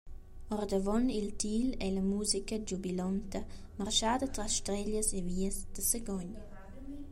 Ordavon il til ei la musica giubilonta marschada atras streglias e vias da Sagogn.